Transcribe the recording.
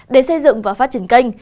để xây dựng và phát triển kênh